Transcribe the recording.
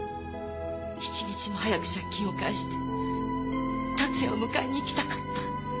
一日も早く借金を返して達也を迎えに行きたかった。